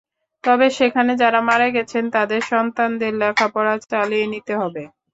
তবে সেখানে যাঁরা মারা গেছেন, তাঁদের সন্তানদের লেখাপড়া চালিয়ে নিতে হবে।